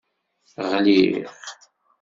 Ɣliɣ.